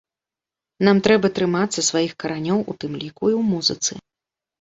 Нам трэба трымацца сваіх каранёў, у тым ліку і ў музыцы!